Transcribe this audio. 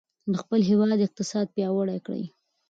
د خپل هېواد اقتصاد پیاوړی کړئ.